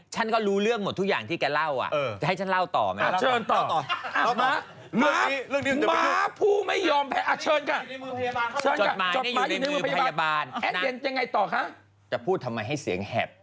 อเจมส์อย่างไร